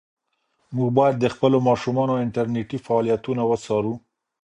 موږ باید د خپلو ماشومانو انټرنيټي فعالیتونه وڅارو.